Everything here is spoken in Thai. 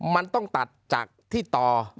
มันต้องตัดจากที่ต่อ